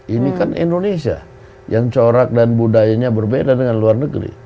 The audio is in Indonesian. ini kan indonesia yang corak dan budayanya berbeda dengan luar negeri